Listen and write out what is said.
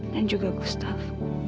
dan juga gustaf